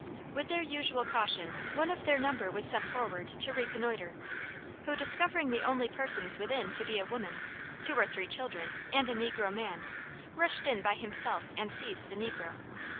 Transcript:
With their usual caution, one of their number was sent forward to reconnoiter, who, discovering the only persons within to be a woman, two or three children, and a negro man, rushed in by himself and seized the negro.